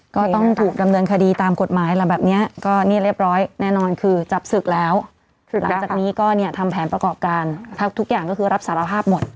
ก็ต้องถูกดำเนินคดีตามกฎหมายแล้วแบบเนี้ยก็นี่เรียบร้อยแน่นอนคือจับศึกแล้วหลังจากนี้ก็เนี่ยทำแผนประกอบการทุกอย่างก็คือรับสารภาพหมด